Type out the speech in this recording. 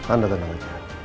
anda tetap bekerja